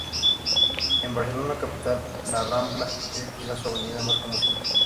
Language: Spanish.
En Barcelona capital, La Rambla es quizá su avenida más conocida.